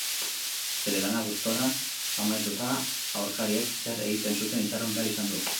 Bere lanak gustora amaituta, aurkariek zer egiten zuten itxaron behar izan du.